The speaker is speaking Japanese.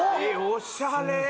おしゃれ。